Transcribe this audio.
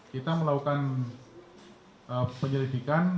kita melakukan penyelidikan